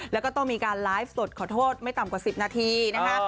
แล้วก็ต้องมีการไลฟ์สดขอโทษไม่ต่ำกว่า๑๐นาทีนะคะ